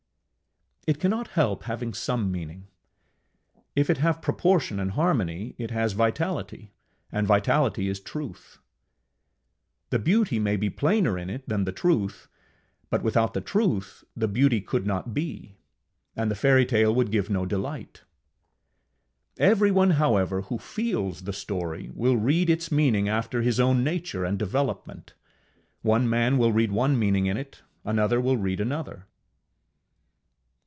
ŌĆØ It cannot help having some meaning; if it have proportion and harmony it has vitality, and vitality is truth. The beauty may be plainer in it than the truth, but without the truth the beauty could not be, and the fairytale would give no delight. Everyone, however, who feels the story, will read its meaning after his own nature and development: one man will read one meaning in it, another will read another.